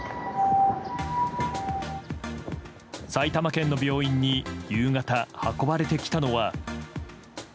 埼玉県の病院に夕方、運ばれてきたのは。